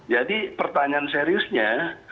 jadi pertanyaan seriusnya